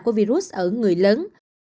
của virus ở người lớn